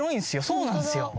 そうなんすよ